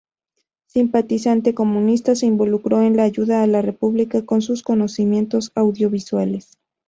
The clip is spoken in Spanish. Simpatizante comunista, se involucró en la ayuda a la República con sus conocimientos audiovisuales.